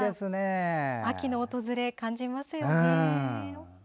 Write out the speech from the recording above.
秋の訪れを感じますよね。